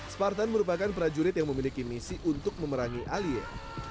spartan merupakan prajurit yang memiliki misi untuk memerangi alien